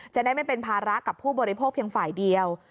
จะได้ไม่เป็นภาระกับผู้บริโภคเพียงฝ่ายเดียว